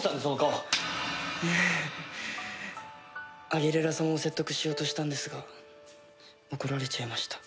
アギレラ様を説得しようとしたんですが怒られちゃいました。